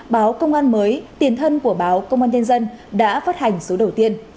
báo công an mới tiền thân của báo công an nhân dân đã phát hành số đầu tiên